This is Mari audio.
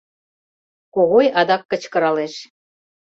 — Когой адак кычкыралеш.